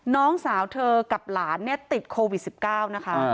น้องสาวเธอกับหลานเนี่ยติดโควิด๑๙นะคะ